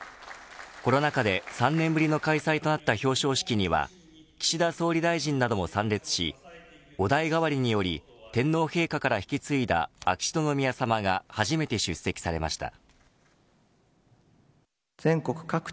コロナ禍で３年ぶりの開催となった表彰式には岸田総理大臣なども参列しお代替わりにより天皇陛下から引き継いだ秋篠宮さまが初めて出席されました。